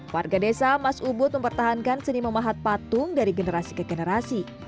warga desa mas ubud mempertahankan seni memahat patung dari generasi ke generasi